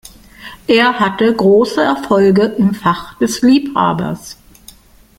Er hatte große Erfolge im Fach des Liebhabers.